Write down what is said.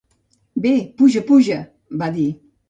"Bé, puja, puja," va dir.